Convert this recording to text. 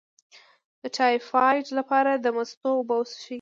د ټایفایډ لپاره د مستو اوبه وڅښئ